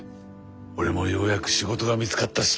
俺もようやく仕事が見つかったし。